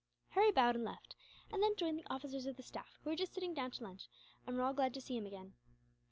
Harry bowed and left; and then joined the officers of the staff, who were just sitting down to lunch, and were all glad to see him again.